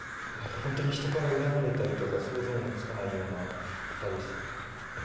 本当に人から恨まれたりとか、想像もつかないような方でしたね。